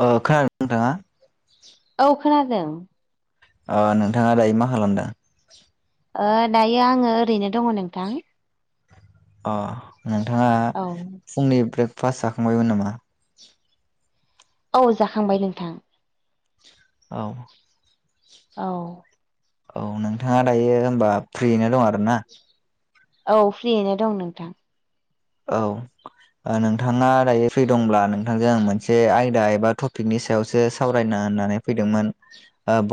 खोनादों नोंथाङा औ खोनादों। ओ नोंथाङा दायो मा खालामदों? ओ दायो आङो ओरैनो दङ नोंथां। अ नोंथाङा औ फुंनि ब्रेकफास्ट जाखांबायमोन नामा? औ जाखांबाय नोंथां। औ औ औ नोंथाङा दायो होनबा फ्रियैनो दं आरो ना? औ फ्रियैनो दं नोंथां। औ ओ नोंथाङा दायो फ्रि दंब्ला नोंथांजों आं मोनसे आयदा एबा टपिकनि सायावसो सावरायना होननानै फैदोंमोन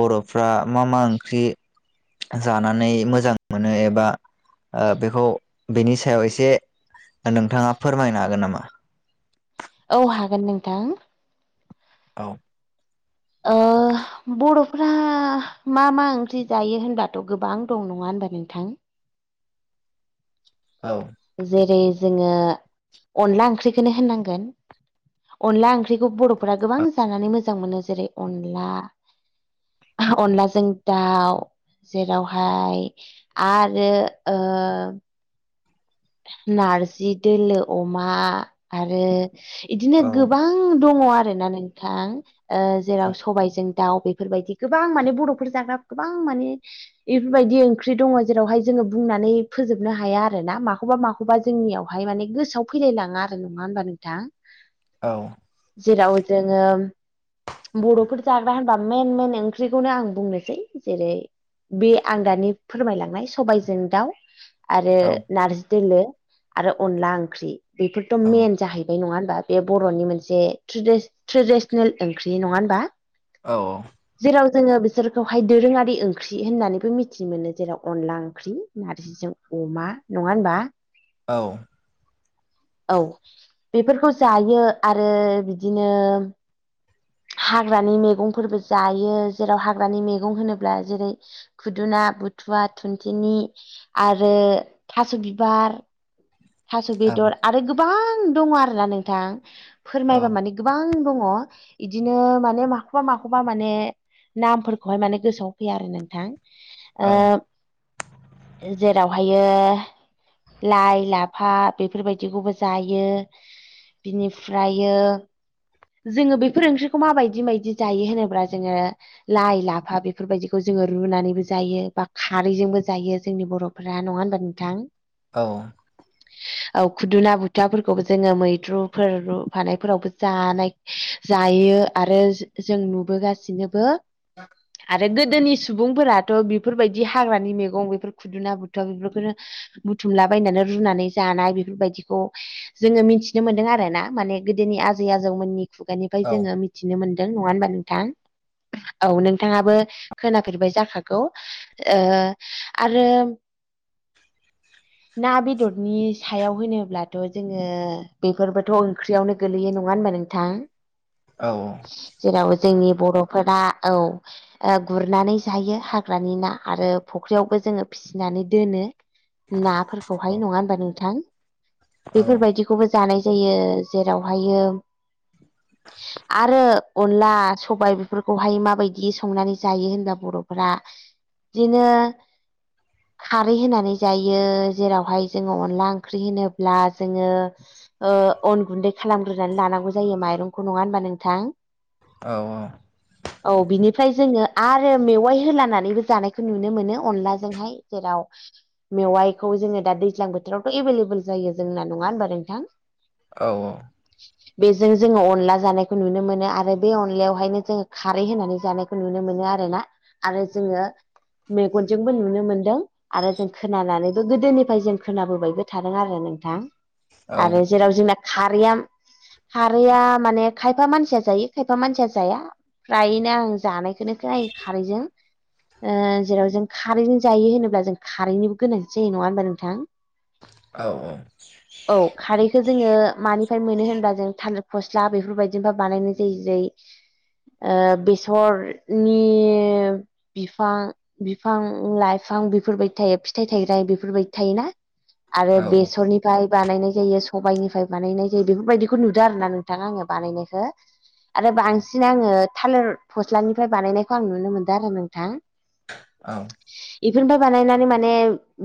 बर'फ्रा मा मा ओंख्रि जानानै मोजां मोनो एबा। ओ बेखौ बेनि सायाव एसे नोंथाङा फोरमायनो हागोन नामा? औ हागोन नोंथां। औ ओ बर'फ्रा मा मा ओंख्रि जायो होनबाथ' गोबां दं नङा होनबा नोंथां? औ जेरै जोङो अनला ओंख्रिखौनो होनांगोन। अनला ओंख्रिखौ बर'फोरा गोबां जानानै मोजां मोनो जेरै अनला अनलाजों दाउ जेरावहाय आरो ओ नारजि दोलो अमा आरो इदिनो औ गोबां दङ' आरो ना नोंथां जेराव सबायजों दाउ बेफोरबायदि गोबां माने बर'फोर जाग्रा गोबां माने एफोरबायदि ओंख्रि दङ' जेरावहाय जोङो बुंनानै फोजोबनो हाया आरो ना मा खौबा माखौबा जोंनियावहाय माने गोसोआव फैलाय लाङा आरो नङा होनबा नोंथां। औ जेराव जोङो बर'फोर जाग्रा होनबा मेन मेन ओंख्रिखौनो आं बुंनोसै जेरै बे आं दानि फोरमायलांनाय सबायजों दाउ आरो औ नारजि दोलो आरो अनला ओंख्रि बेफोरथ' मेन जाहैबाय नङा होमबा? बे बर'नि मोनसे ट्रेडिस-ट्रेडिसनेल ओंख्रि नङा होनबा? औ जेराव जोङो बिसोरखौहाय दोरोङारि ओंख्रि होननानैबो मिथिनो मोनो जेराव अनला ओंख्रि नारजि जों अमा नङा होनबा? औ औ बेफोरखौ जायो आरो बिदिनो हाग्रानि मेगंफोरबो जायो जेराव हाग्रानि मेगं होनोब्ला जेरै खुदुना बुथुवा थुनथेेनि आरो थास' बिबार थास' औ बेदर आरो गोबां दङ' आरोना नोंथां फोरमायबा माने गोबां दङ' इदिनो माने माखौबा माखौबा माने नामफोरखौहाय माने गोसोआव फैया आरो नोंथां ओ जेरावहायो लाइ ला फा बेफोरबायदिखौबो जायो बिनिफ्रायो जोङो बेफोर ओंख्रिखौ माबायदि मायदि जायो होनोब्ला जोङो लाइ लाफा बेफोरबायदिखौ जोङो रुनानैबो जायो बा खारैजोंबो जायो जोंनि बर' फ्रा नङा होमबा नोंथां? औ औ खुदुना बुथाफोरखौबो जोङो मैद्रुफोर रुफानायफोरावबो जानाय जायो आरो जो-जों नुबोगासिनोबो [inaudible] आरो गोदोनि सुबुंफोराथ' बेफोरबायदि हाग्रानि मैगं बेफोर खुदुना बुथुआ बेफोरखौनो बुथुमलाबायनानै रुनानै जानाय बेफोरबायदिखौ जोङो मिथिनो मोनदों आरो ना माने गोदोनि आजै आजौमोननि खुगानिफ्राय जोङो थिनो मोनदों नङा होनबा नोंथां औ नोंथाङाबो खोनाफेरबाय जाखागौ ओ आरो ना बेद दरनि सायाव होनोब्लाथ' जोङो बेफोरबोथ' ओंख्रियावनो गोगलैयो नङा होनबा नोंथां? औ औ जेराव जोंनि बर'फोरा औ ओ गुरनानै जायो हाग्रानि ना आरो फुख्रियावबो जोङो फिसिनानै दोनो। नाफोरखौहाय। नङा होनबा नोंथां? बेफोरबायदि बेखौबो जानाय जायो। जेरावहायो [inaudible] आरो अनला सबाय बेफोरखौहाय माबायदि संनानै जायो होनबा बर'फोरा दिनो खारै होनानै जायो। जेरावहाय जोङो अनला ओंख्रि होनोब्ला जोङो ओ अन गुन्दै खालामग्रोनानै लानांगौ जायो माइरंखौ। नङा होनबा नोंथां? औ औ औ बिनिफ्राय जोङो आरो मेवाइ होलानानैबो जानायखौ नुनो मोनो अनलाजोंहाय जेराव मेवाइखौ जोङो दा दैज्लां बोथोरावथ' एभेलेबेल जायो जोंना नङा होनबा नोंथां? औ औ बेजों जोङो अनला जानायखौ नुनो मोनो आरो बे अनलायावहायनो जोङो खारै होनानै जानायखौ खौ नुनो मोनो आरोना आरो जोङो मेगनजोंबो नुनो मोनदों आरो जों खोनानानै गोदोनिफ्राय जों खोनाबोबायबो थादों आरो नोंथां आरो जेराव जोंना खारैया खारैया माने खायफा मानसिया जायो खायफा मानसिया जाया। फ्रायनो आं जानायखोनो खोनायो खारैजों ओ जेराव जों खारै जायो होनोब्ला जों खारैनिबो गोनांथि जायो नङा होमबा नोंथां? औ औ औ खारैखो जोङो मानिफ्राय मोनो होनबा जों थालेर फस्ला बेफोरबायदिनिफ्राय बानायनाय जायो जोय ओ बेसरनि बिफां बिफां लाइफां बेफोरबायदि थायो फिथाइ [unintelligible] बेफोरबायदि थायोना आरो बेसरनि बानायनाय जायो सबायनिफ्राय बानायनाय जायो बेफोरबायदिखौ नुदों आरोना नोंथाङा आङो बानायनायखो [inaudible] आरो बांसिन आङो थालिर फस्लानिफ्राय बानायनायखौ आं नुनो मोनदों आरो नोंथां। औ इफोरनिफ्राय बानायनानै माने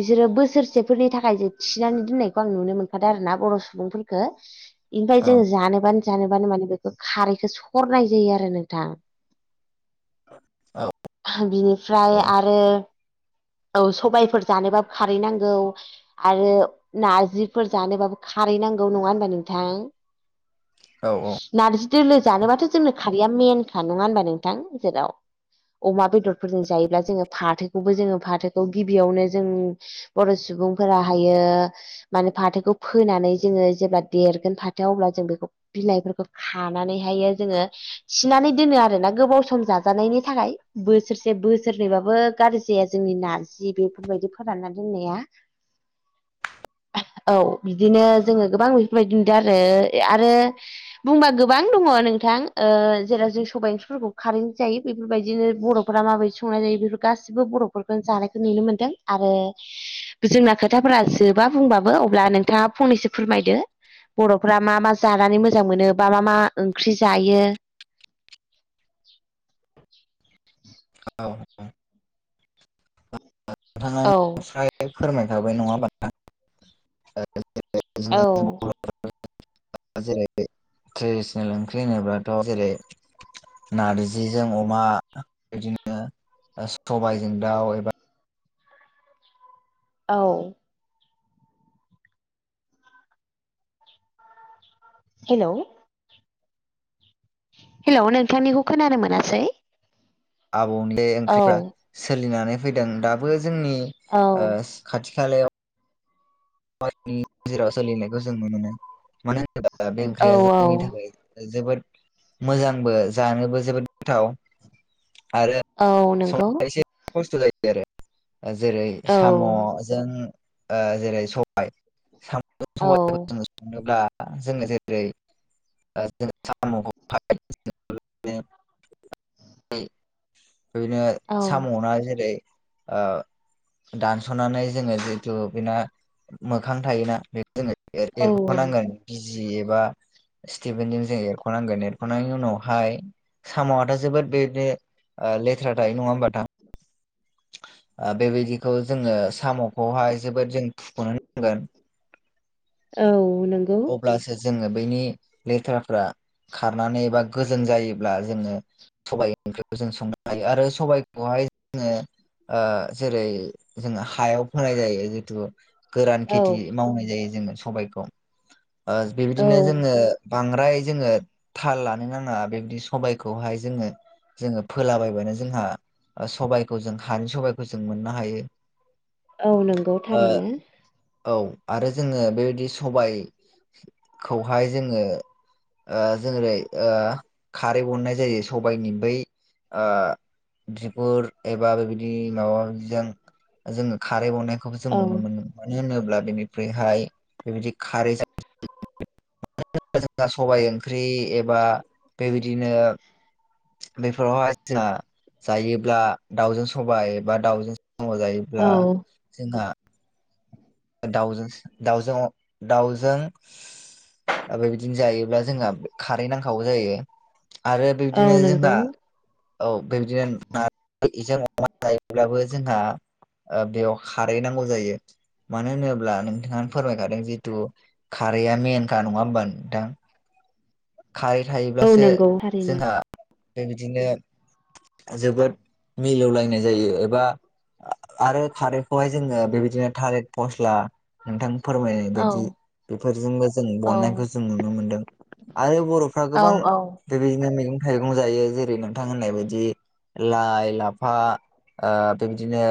बिसोरो बोसोरसेफोरनि थाखाय थिनानै दोननायखौ आं नुनो मोनखादों आरो ना बर' सुबुंफोरखौ [inaudible] ओमफ्राय जोङो जानोबानो जानोबानो माने बेखौ खारैखौ सरनाय जायो आरो नोंथां। बिनिफ्राय आरो औ सबायफोर जानोबाबो खारै नांगौ आरो नारजिफोर जानोबाबो खारै नांगौ नङा होनबा नोंथां? [inaudible] नारजि दोलो जानोबाथ' जोंनो खारैया मेनखा नङा होनबा नोंथां जेराव अमा बेदरफोरजों जायोब्ला जोङो फाथोखौबो जोङो फाथोखौ गिबियावनो जों बर' सुबुंफोरा हायो माने फाथोखौ फोनानै जोङो जेब्ला देरगोन फाथोआ अब्ला जों बेखौ बिलाइफोरखौ खानानैहायो जोङो सिनानै दोनो आरो ना गोबाव सम जाजानायनि थाखाय बोसोरसे बोसोरनैबाबो गाज्रि जाया जोंनि नारजि बेफोरबायदि फोरानना दोननाया औ बिदिनो जोङो गोबां बेफोरबायदि नदों आरो आरो बुंबा गोबां दङ नोंथां जेराव जों सबाय ओंख्रिफोरखौ खारेन्ट जायो बेफोरबायदिनो बर' फोरा माबायदि संनाय जायो बेफोर गाससिबो बर'फोरखौ जानायखौ नुनो मोन्दों आरो जोंना खोथाफोरा जोबा बुंबाबो अब्ला नोंथाङा फंनैसो फोरमायदो बर'फ्रा मा मा जानानै मोजां मोनो बा मा मा ओंख्रि जायो औ औ औ नोंथाङानो स्राय फोरमायखाबाय नङा होमबा नोंथा औ [unintelligible] [unintelligible] जेरै ट्रेडिसनेल ओंख्रि होनोब्लाथ' जेरै नारजिजों अमा बिदिनो सबजों दाउ एबा औ हेल' हेल' नोंथांनिखौ खोनानो मोनासै आबौले औ ओंख्रिफ्रा सोलिनानै फैदों दाबो जोंनि औ खाथि खालायाव नि गेराव सोलिनायखौ जों नुनो मोनो मानो होनोबा बे औ ओंख्रिया जोंनि थाखाय जोबोद मोजांबो जानोबो जोबोद गोथाव आरो औ नंगौ संनाया एसे खस्थ' जायो आरो जेरै औ साम'जों जेरै सबाय साम' औ साइखौ ज संनोब्ला जोङो जेरै [unintelligible] [unintelligible] औ साम'ना जेरै दानस'नानै जोङो जितु बेना मोखां थायोना बेखौ जोङो औ एरख'नांगोन बिजि एबा स्टिभेनजों जों एरख'नांगोन एरख'नायनि उनावहाय साम'आथ' जोबोद बेदिनो लेथ्रा थायो नङा होमबाथां। बेबायदिखौ जोङो साम'खौहाय जोबोद जों फुख'नो नांगोन औ नंगौ। अब्लासो जोङो बैनि लेथ्राफ्रा खारनानै बा गोजों जायोब्ला जोङो सबायाइ ओंख्रिखौ जों संनो हायो आरो सबाइखौहाय जोङो जेरै जों हायाव फोनाय जायो जितु गोरान औ खेथि मावनाय जायो जोङो सबायखौ औ बेबायदिनो जोङो बांद्राय जोङो थाल लानो नाङा बेबदि सबायखौहाय जोङो जोङो फोलाबायबानो जोंहा सबायाइखौ जों हानि सबाइखौ जों मोननो हायो। औ नंगौ ओ थारैनो। औ आरो जोङो बेबायदि सबाय खौहाय जोङो जेरै खारै अननाय जायो सबायाइनि बै ओ बिगुर एबा बेबायदि माबाजों जोङो खारै बावनायखौबो जों औ नुनो मोनो मानो होनोब्ला बेनिफ्रायहाय बेबायदि खारै [unintelligible] [unintelligible] सबाय ओंख्रि एबा बेबायदिनो बेफोरावहाय जोंहा जायोब्ला दाउजों सबाय बा दाउजों [unintelligible] औ जायोब्ला जोंहा दाउजों दाउजों दाउजों ओमफ्राय बिदिनो जायोब्ला जोंहा खारै नांखागौ जायो। आरो औ बिब्दिनो नंगौ जोंहा- औ बेबायदिनो नारजों अमा जायोब्लाबो जोंहा बेयाव खारै नांगौ जायो। मानो होनोब्ला नोंथाङानो फोरमायखादों जितु खारैआ मेनखा नङा होमबा नोंथां। खारै औ थायोब्लासो नंगौ थारैनो जोंहा बेबायदिनो जोबोद मिलौलायनाय जायो एबा आरो खारैखौहाय जोङो बेबायदिनो थालिर फस्ला नोंथां फोरमायनाय औ बायदि बेफोरजोंनो जों औ बननायखौ जों नुनो मोनदों आरो बर'फ्रा औ गोबां औ बेबायदिनो मैगं थाइगं जायो जेरै नोंथां होननाय बायदि लाइ लाफा ओ बेबायदिनो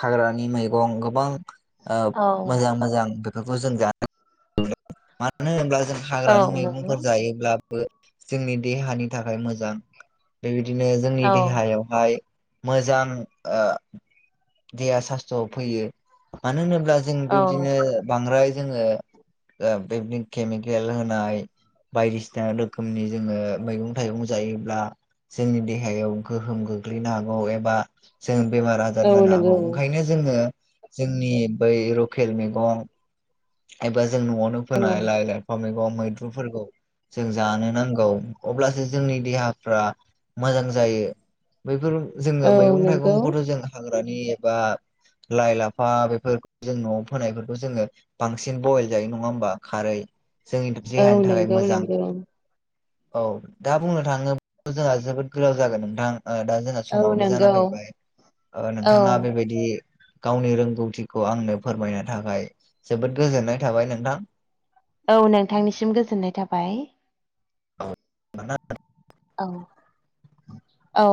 हाग्रानि मैगं गोबां औ मोजां मोजां बेफोरखौ [unintelligible] औ हाग्रानि नंगौ मैगंफोर जायोब्लाबो जोंनि देहानि थाखाय मोजां। बेबायदिनो औ जोंनि देहायावहाय मोजां देहा सास्थ्र'आव फैयो मानो होनोब्ला जों औ बेबदिनो बांद्राय जोङो बेदिनो केमिकेल होनाय बायदिसिना रोखोमनि जोङो मैगं थाइगं जायोब्ला जोंनि देहायाव गोहोम गोग्लैनो हागौ एबा जों बेमार आजार औ जानो हागौ नंगौ ओंखायनो जोङो जोंनि बै लकेल मैगं एबा जों न'आवनो औ फोनाय लाइ लाइफां मैगं मैद्रुफोरखौ जों जानो नांगौ अब्लासो जोंनि देहाफ्रा मोजां जायो। बैफोर जोङो औ मैगं नंगौ थाइगंखौथ' जों हाग्रानि एबा लाइ लाफा बेफोर जों न'आव फोनायफोरखौ जोङो बांसिन बयल जायो नङा होमबा खारै जोंनि औ देहानि थाखाय नंगौ मोजां। नंगौ औ दा बुंनो थाङोब जोंहा जोबोद गोलाव जागोन नोंथां दा जोंना औ समावनो जाना नंगौ फैबाय औ नोंथाङा बेबायदि गावनि रोंगौथिखौ आंनो फोरमायनो थाखाय जोबोद गोजोननाय थाबाय नोंथां। औ नोंथांनिसिम गोजोननाय थाबाय। [unintelligible] औ औ।